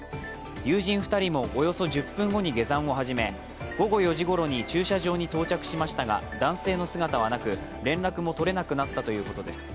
友人２人もおよそ１０分後に下山を始め、午後４時ごろに駐車場に到着しましたが、男性の姿はなく、連絡も取れなくなったということです。